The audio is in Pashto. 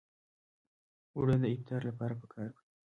اوړه د افطار لپاره پکار وي